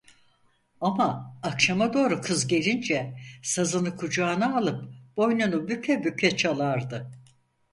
Amma akşama doğru kız gelince sazını kucağına alıp boynunu büke büke çalardı.